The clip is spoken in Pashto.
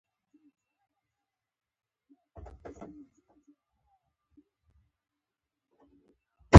په تعزیتي غونډو کې څو خاص غوړ ژبي کسان وو.